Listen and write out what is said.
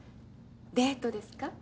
デートですか？